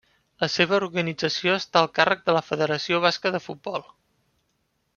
La seva organització està al càrrec de la Federació Basca de Futbol.